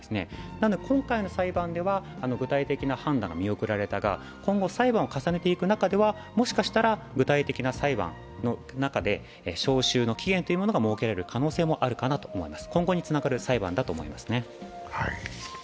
なので今回の裁判では具体的な判断が見送られたが、今後、裁判を重ねていく中ではもしかしたら具体的な裁判の中で召集の期限というのが設けられる可能性があるかなと思います。